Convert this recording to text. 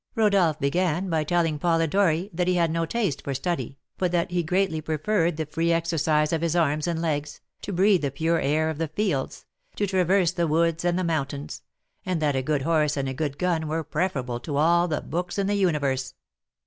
Rodolph began by telling Polidori that he had no taste for study, but that he greatly preferred the free exercise of his arms and legs, to breathe the pure air of the fields, to traverse the woods and the mountains, and that a good horse and a good gun were preferable to all the books in the universe.